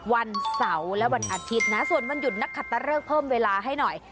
วันเสาร์และวันอาทิตย์นะส่วนวันหยุดนักขัดตะเลิกเพิ่มเวลาให้หน่อย